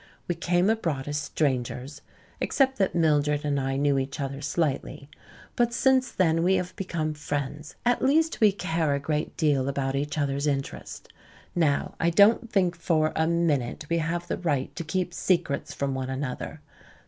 We came abroad as strangers, except that Mildred and I knew each other slightly, but since then we have become friends. At least, we care a great deal about each other's interests. Now I don't think for a minute we have the right to keep secrets from one another.